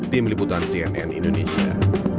tim liputan cnn indonesia